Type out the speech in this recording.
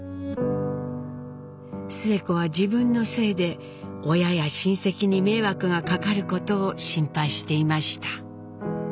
スエ子は自分のせいで親や親戚に迷惑がかかることを心配していました。